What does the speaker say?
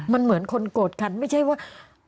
มันเหมือนคนโกรธกันไม่ใช่ว่า